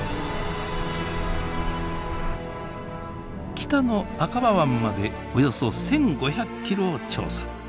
北のアカバ湾までおよそ１，５００ｋｍを調査。